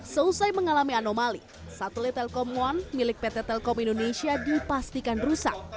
seusai mengalami anomali satelit telkom one milik pt telkom indonesia dipastikan rusak